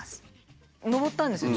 上ったんですよ